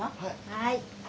はい。